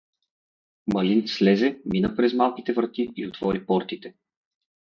Малин слезе, мина през малките врати и отвори портите.